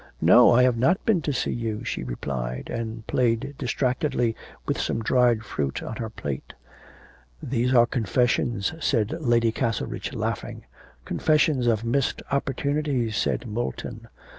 'No; I've not been to see you,' she replied, and played distractedly with some dried fruit on her plate. 'These are confessions,' said Lady Castlerich, laughing. 'Confessions of missed opportunities,' said Moulton.